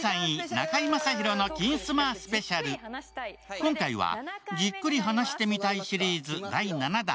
今回はじっくり話してみたいシリーズ第７弾。